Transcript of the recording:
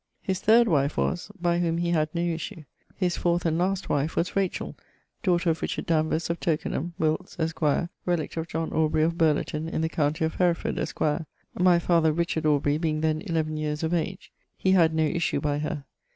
His third wife was ... by whom he had no issue. His fourth and last wife was Rachel, daughter of Richard Danvers of Tokenham, Wilts, esq., relict of John Aubrey of Burleton in the county of Hereford, esq. (my father Richard Aubrey being then eleaven yeares of age). He had no issue by her.